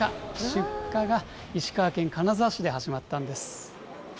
出荷が石川県金沢市で始まったんです。